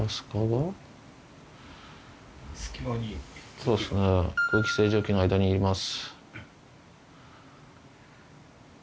そうですね空気清浄機の間にいます。